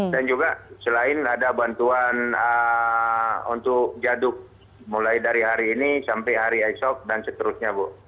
dan juga selain ada bantuan untuk jaduk mulai dari hari ini sampai hari esok dan seterusnya bu